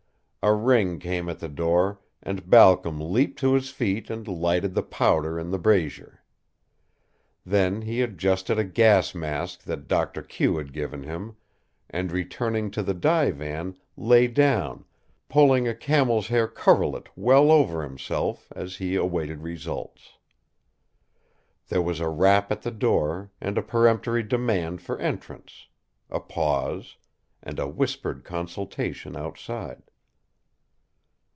A ring came at the door and Balcom leaped to his feet and lighted the powder in the brazier. Then he adjusted a gas mask that Doctor Q had given him, and, returning to the divan, lay down, pulling a camel's hair coverlet well over himself as he awaited results. There was a rap at the door and a peremptory demand for entrance a pause and a whispered consultation outside.